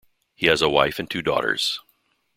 He has a wife and two daughters.